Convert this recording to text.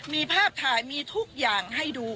มีภาพถ่ายมีทุกอย่างให้ดู